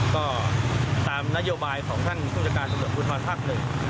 ก็ตามนโยบายของท่านผู้จัดการตำรวจภูทรภาคหนึ่ง